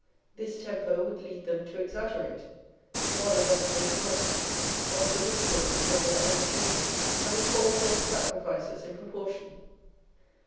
This temper would lead them to exaggerate rather than to make light of the difficulties of their undertaking ; and would call forth sacrifices in proportion.